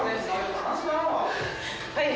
はい。